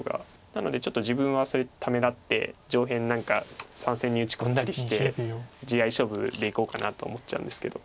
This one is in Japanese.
なのでちょっと自分はそれためらって上辺何か３線に打ち込んだりして地合い勝負でいこうかなと思っちゃうんですけど。